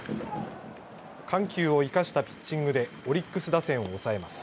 緩急を生かしたピッチングでオリックス打線を抑えます。